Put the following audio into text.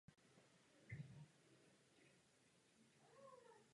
Jednotný postoj je žádoucí také na mezinárodní scéně.